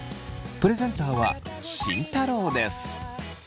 プレゼンターは慎太郎です。